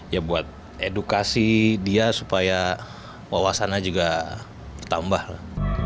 ya buat edukasi dia supaya wawasannya juga bertambah lah